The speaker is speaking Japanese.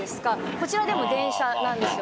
こちらはでも電車なんですよ